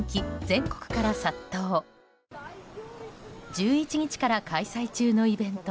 １１日から開催中のイベント